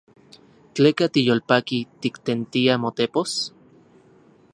¿Tleka tiyolpaki tiktentia motepos?